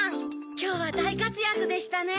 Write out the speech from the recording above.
きょうはだいかつやくでしたね。